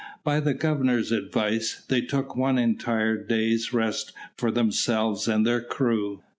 By the Governor's advice, they took one entire day's rest for themselves and their crew.